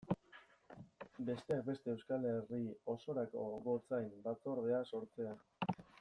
Besteak beste Euskal Herri osorako gotzain batzordea sortzea.